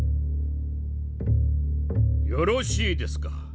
よろしいですか。